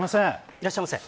いらっしゃいませ。